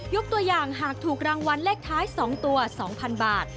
ตัวอย่างหากถูกรางวัลเลขท้าย๒ตัว๒๐๐๐บาท